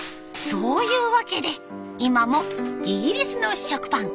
そういうワケで今もイギリスの食パン。